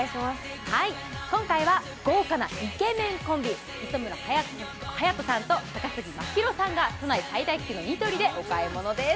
今回は豪華なイケメンコンビ、磯村勇斗さんと高杉真宙さんが都内最大級のニトリでお買い物です。